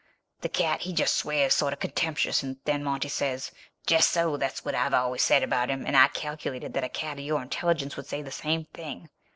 The cat, he just swears sort of contemptuous, and then Monty says, 'Jest so! That's what I've always said about him; and I calculated that a cat of your intelligence would say the same thing.'